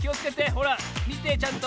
ほらみてちゃんと。